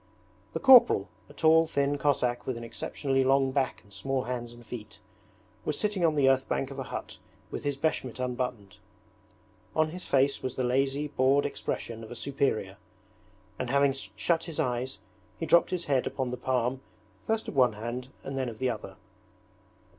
The corporal, a tall thin Cossack with an exceptionally long back and small hands and feet, was sitting on the earth bank of a hut with his beshmet unbuttoned. On his face was the lazy, bored expression of a superior, and having shut his eyes he dropped his head upon the palm first of one hand and then of the other.